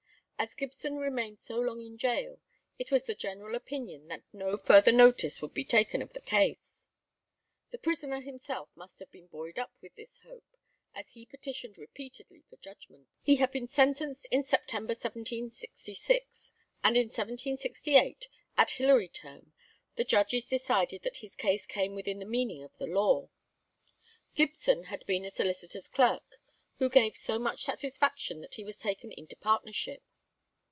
As Gibson remained so long in gaol, it was the general opinion that no further notice would be taken of the case. The prisoner himself must have been buoyed up with this hope, as he petitioned repeatedly for judgment. He had been sentenced in Sept. 1766, and in 1768, at Hilary Term, the judges decided that his crime came within the meaning of the law. Gibson had been a solicitor's clerk, who gave so much satisfaction that he was taken into partnership.